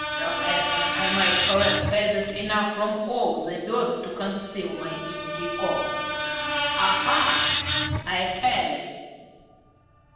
Perhaps I might collect feathers enough from all the birds to conceal my inky coat. Aha! I have it."